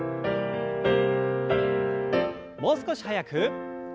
もう少し速く。